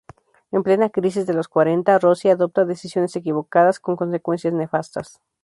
En plena crisis de los cuarenta, Rossi adopta decisiones equivocadas, con consecuencias nefastas.